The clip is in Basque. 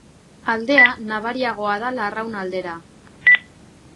Aldea nabariagoa da Larraun aldera.